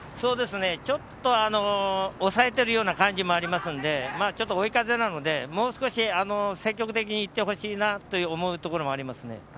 ちょっと抑えているような感じもありますので追い風なのでもう少し積極的に行ってほしいなと思うところもありますね。